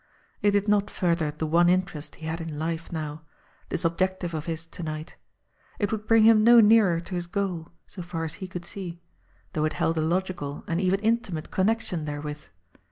It did not further the one interest he had in life now, this ob jective of his to night ; it would bring him no nearer to his goal, so far as he could see, though it held a logical and even intimate connection therewith.